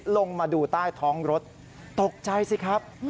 ลงมาดูใต้ท้องรถตกใจสิครับ